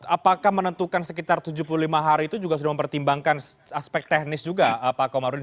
apakah menentukan sekitar tujuh puluh lima hari itu juga sudah mempertimbangkan aspek teknis juga pak komarudin